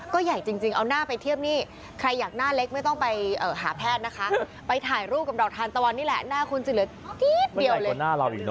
ก็ใหญ่จริงเอาหน้าไปเทียบนี่ใครอยากหน้าเล็กไม่ต้องไปหาแพทย์นะคะไปถ่ายรูปกับดอกทานตะวันนี่แหละหน้าคุณจะเหลือกี๊ดเดียวเลย